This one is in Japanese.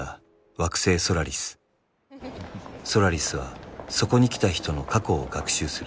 ［ソラリスはそこに来た人の過去を学習する］